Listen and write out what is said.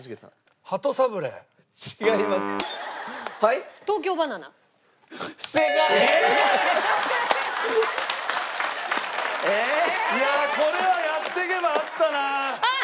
いやこれはやってけばあったな。